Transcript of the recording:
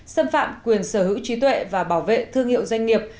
xâm phạm quyền sở hữu trí tuệ và bảo vệ thương hiệu doanh nghiệp